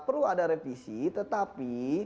perlu ada revisi tetapi